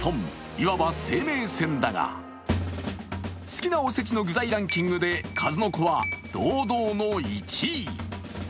いわば生命線だが、好きなおせちの具材ランキングで数の子は堂々の１位。